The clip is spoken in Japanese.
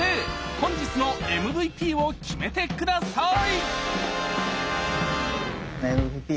本日のＭＶＰを決めて下さいＭＶＰ